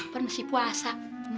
pernah masih puasa